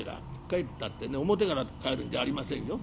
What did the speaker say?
帰ったってね表から帰るんじゃありませんよ。